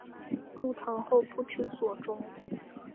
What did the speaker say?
入唐后不知所终。